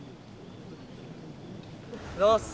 おはようございます。